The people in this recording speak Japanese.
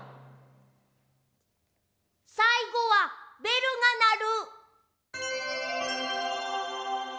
さいごは「べるがなる」。